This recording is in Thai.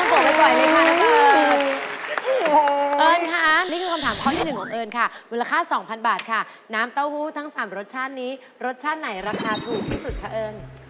เอาเปล่าต้องจบไว้เลยค่ะน้าเฟิร์ดเอิ้นค่ะนี่คือคำถามข้อที่๑ของเอิ้นค่ะมูลค่า๒๐๐๐บาทค่ะน้ำเต้าหู้ทั้ง๓รสชาตินี้รสชาติไหนราคาถูกที่สุดคะเอิ้น